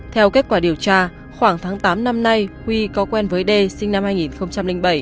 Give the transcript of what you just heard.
theo kết quả điều tra khoảng tháng tám năm nay huy có quen với đê sinh năm hai nghìn bảy